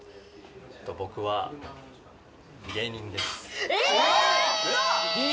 僕は芸人です。